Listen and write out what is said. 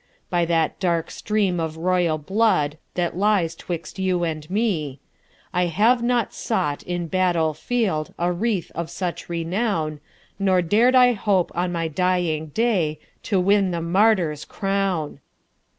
By that dark stream of royal bloodThat lies 'twixt you and me,I have not sought in battle fieldA wreath of such renown, Nor dar'd I hope on my dying dayTo win the martyr's crown!